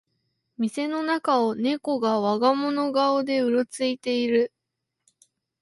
店の中をネコが我が物顔でうろついてる